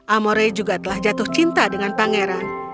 amore juga telah jatuh cinta dengan pangeran